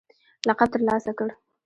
لقب ترلاسه کړ